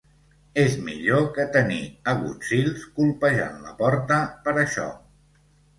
És millor que tenir agutzils colpejant la porta per això.